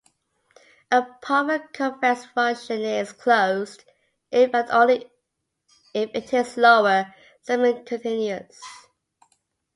A proper convex function is closed if and only if it is lower semi-continuous.